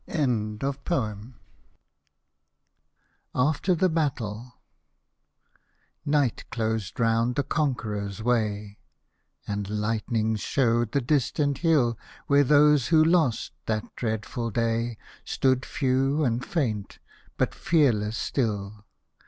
AFTER THE BATTLE Night closed around the conqueror's way, And hghtnings showed the distant hill. Where those who lost that dreadful day. Stood few and faint, but fearless still.